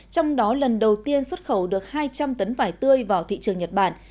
trong đó lần đầu tiên xuất khẩu được hai trăm linh tấn vải tươi vào thị trường nhật bản